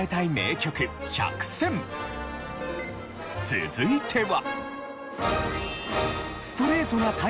続いては。